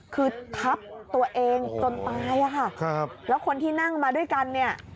คือทับตัวเองจนตายอะค่ะครับแล้วคนที่นั่งมาด้วยกันเนี่ย